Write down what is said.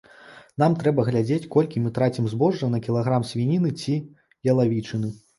Нам трэба глядзець, колькі мы трацім збожжа на кілаграм свініны ці ялавічыны.